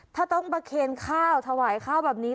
ถ้าต้องประเคนข้าวถวายข้าวแบบนี้